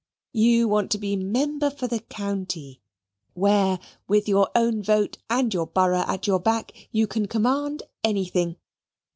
You want to be Member for the County, where, with your own vote and your borough at your back, you can command anything.